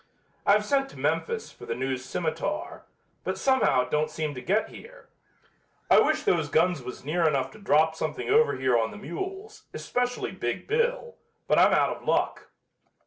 I've sent to Memphis for The News Scimitar, but somehow it don't seem to get here. I wish those guns was near enough to drop something over here on the mules, especially 'Big Bill,' but I'm out of luck."